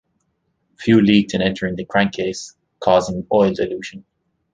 Fuel leaked and entered the crankcase, causing oil dilution.